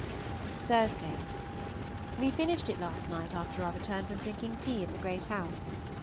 Thursday. We finished it last night after our return from drinking tea at the Great House.